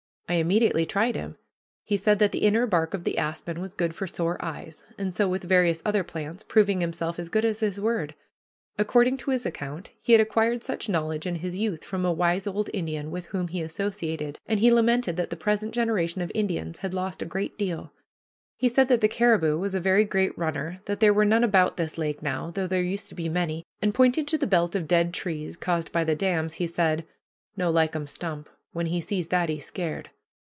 I immediately tried him. He said that the inner bark of the aspen was good for sore eyes; and so with various other plants, proving himself as good as his word. According to his account, he had acquired such knowledge in his youth from a wise old Indian with whom he associated, and he lamented that the present generation of Indians "had lost a great deal." He said that the caribou was a "very great runner," that there were none about this lake now, though there used to be many, and, pointing to the belt of dead trees caused by the dams, he added: "No likum stump. When he sees that he scared."